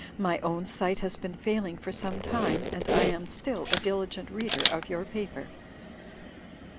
My own sight has been failing for some time; but I am still a diligent reader of your paper."